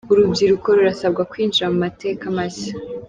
Urubyiruko rurasabwa kwinjira mu mateka mashya.